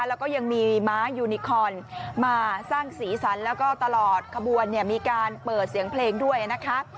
แล้วก็ยังมีม้ายูนิคอนมาสร้างสีสันแล้วก็ตลอดขบวนเนี่ยมีการเปิดเสียงเพลงด้วยนะคะ